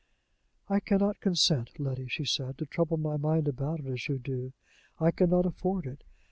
"I can not consent, Letty," she said, "to trouble my mind about it as you do. I can not afford it.